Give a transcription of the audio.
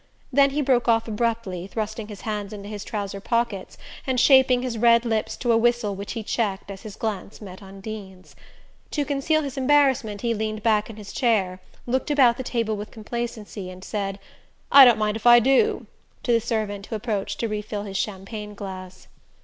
Then he broke off abruptly, thrusting his hands into his trouser pockets and shaping his red lips to a whistle which he checked as his glance met Undine's. To conceal his embarrassment he leaned back in his chair, looked about the table with complacency, and said "I don't mind if I do" to the servant who approached to re fill his champagne glass.